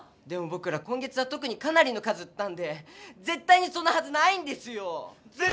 でもぼくら今月はとくにかなりの数売ったんでぜったいにそんなはずないんですよ！